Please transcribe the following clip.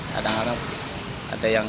kadang kadang ada yang